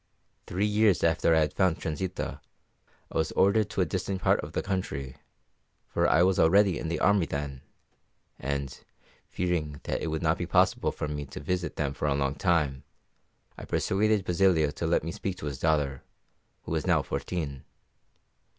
Three years after I had found Transita, I was ordered to a distant part of the country, for I was already in the army then, and, fearing that it would not be possible for me to visit them for a long time, I persuaded Basilio to let me speak to his daughter, who was now fourteen.